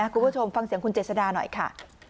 คุณผู้ชมฟังเสียงคุณเจษดาหน่อยค่ะ